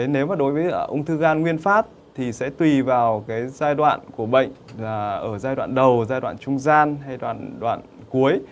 nếu mà đối với ung thư gan nguyên phát thì sẽ tùy vào giai đoạn của bệnh là ở giai đoạn đầu giai đoạn trung gian hay là ở giai đoạn cuối